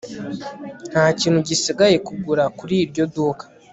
Nta kintu gisigaye kugura kuri iryo duka